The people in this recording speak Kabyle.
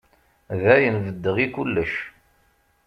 Dayen, beddeɣ i kullec.